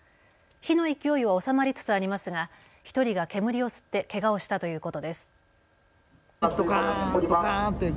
火の勢いは収まりつつありますが１人が煙を吸ってけがをしたということです。